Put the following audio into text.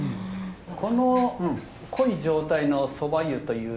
この濃い状態の蕎麦湯というのは。